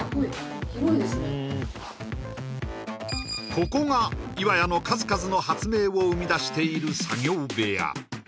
ここが岩谷の数々の発明を生み出している作業部屋